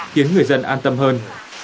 khiến người dân an tâm hơn